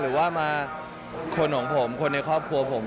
หรือว่ามาคนของผมคนในครอบครัวผม